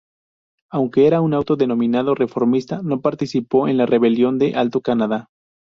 Aunque era un auto denominado Reformista, no participó en la Rebelión de Alto Canadá.